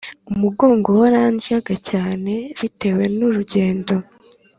Umugongo warandyaga cyane bitewe n urugendo